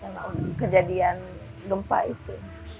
karena kejadian gempa itu